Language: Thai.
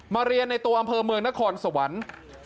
เรียนในตัวอำเภอเมืองนครสวรรค์